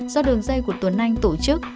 do đường dây của tuấn anh tổ chức